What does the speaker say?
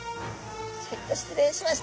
ちょっと失礼しまして。